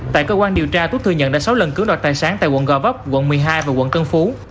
tại cơ quan điều tra tú thừa nhận đã sáu lần cưỡng đoạt tài sản tại quận gò vấp quận một mươi hai và quận tân phú